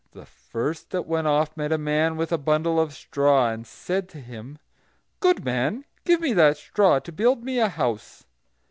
The first that went off met a man with a bundle of straw, and said to him: "Good man, give me that straw to build me a house."